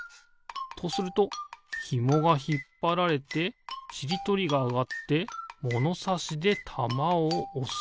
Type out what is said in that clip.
とするとひもがひっぱられてちりとりがあがってものさしでたまをおす。